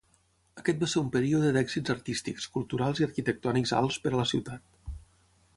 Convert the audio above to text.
Aquest va ser un període d'èxits artístics, culturals i arquitectònics alts per a la ciutat.